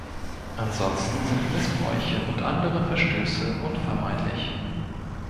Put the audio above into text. Ansonsten sind Missbräuche und andere Verstöße unvermeidlich.